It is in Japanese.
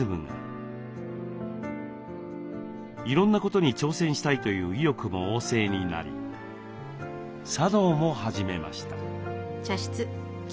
いろんなことに挑戦したいという意欲も旺盛になり茶道も始めました。